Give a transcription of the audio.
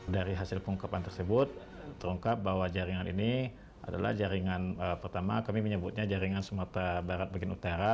dari hasil pengungkapan tersebut terungkap bahwa jaringan ini adalah jaringan pertama kami menyebutnya jaringan sumatera barat bagian utara